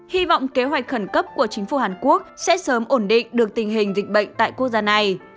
hy vọng kế hoạch khẩn cấp của chính phủ hàn quốc sẽ sớm ổn định được tình hình dịch bệnh tại quốc gia này